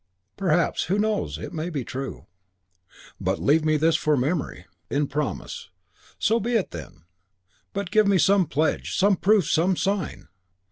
Perhaps who knows? it may be true.... But leave me this for memory." In promise: "So be it, then but give me some pledge, some proof, some sign."